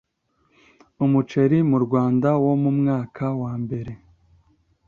umuceri mu Rwanda yo mu mwaka wa mbere